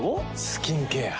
スキンケア。